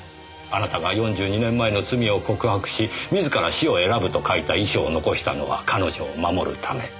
あなたが４２年前の罪を告白し自ら死を選ぶと書いた遺書を残したのは彼女を守るため。